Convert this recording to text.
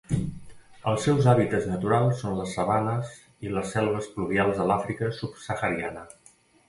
Els seus hàbitats naturals són les sabanes i les selves pluvials de l'Àfrica subsahariana.